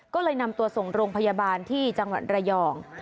ก็เลยนำตัวส่งโรงพยาบาลที่จังหวัดระยอง